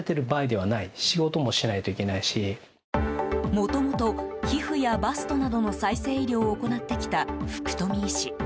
もともと、皮膚やバストなどの再生医療を行ってきた福富医師。